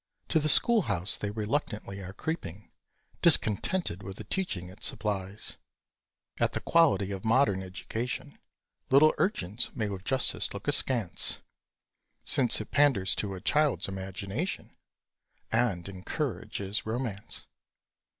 To the school house they reluctantly are creeping, Discontented with the teaching it supplies. At the quality of modern education Little urchins may with justice look askance, Since it panders to a child's imagination, And encourages romance.